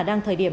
đang thời điểm